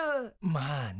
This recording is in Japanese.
まあね。